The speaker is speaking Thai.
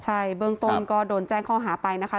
ใช่เบื้องต้นก็โดนแจ้งข้อหาไปนะคะ